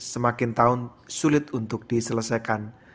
semakin tahun sulit untuk diselesaikan